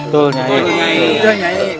betul nyai betul nyai